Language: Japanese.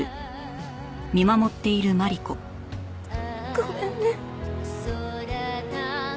ごめんね。